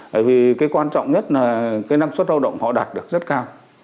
bởi vì cái quan trọng nhất là cái năng suất lao động họ đạt được rất cao